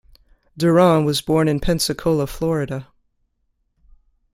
Durant was born in Pensacola, Florida.